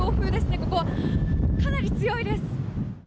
ここはかなり強いです。